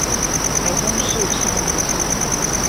台中市沙田路